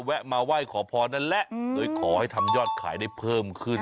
แวะมาไหว้ขอพรนั่นแหละโดยขอให้ทำยอดขายได้เพิ่มขึ้น